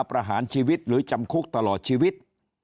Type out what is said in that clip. ประหารชีวิตหรือจำคุกตลอดชีวิต